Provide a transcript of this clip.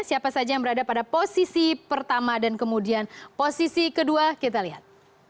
siapa saja yang berada pada posisi pertama dan kemudian posisi kedua kita lihat